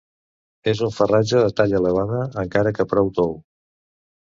És un farratge de talla elevada, encara que prou tou.